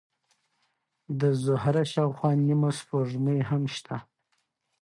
د زهره شاوخوا نیمه سپوږمۍ هم شته.